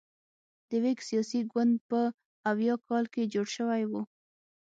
د ویګ سیاسي ګوند په اویا کال کې جوړ شوی و.